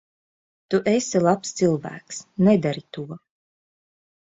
Tu esi labs cilvēks. Nedari to.